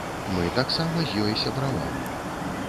Мы таксама з ёй сябравалі.